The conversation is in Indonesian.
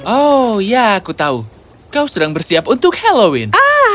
oh ya aku tahu kau sedang bersiap untuk halloween